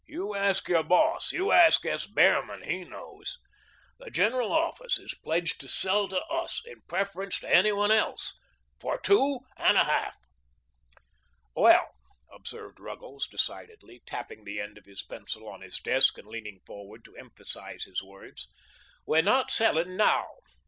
You ask your boss, you ask S. Behrman, he knows. The General Office is pledged to sell to us in preference to any one else, for two and a half." "Well," observed Ruggles decidedly, tapping the end of his pencil on his desk and leaning forward to emphasise his words, "we're not selling NOW.